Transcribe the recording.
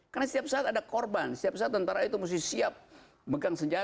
karena setiap saat ada korban setiap saat tentara itu musti siap megang senjata tuh